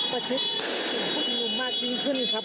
ประชิดกลุ่มผู้ชุมนุมมากยิ่งขึ้นครับ